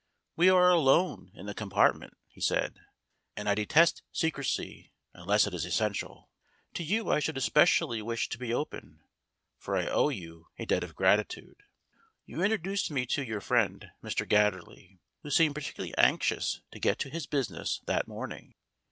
"We are alone in the compartment," he said, "and I detest secrecy unless it is essential. To you I should especially wish to be open, for I owe you a debt of gratitude. You introduced me to your friend, Mr. Gatterley, who seemed particularly anxious to get to his business that morning.